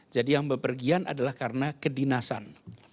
jadi yang bepergian adalah karena kedinasan